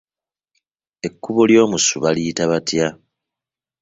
Ekkubo ly’omusu baliyita batya?